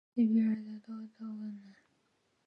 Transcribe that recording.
She bears a daughter, Wenonah.